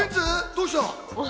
どうした？